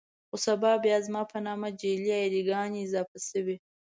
خو سبا بيا زما په نامه جعلي اې ډي ګانې اضافه شوې.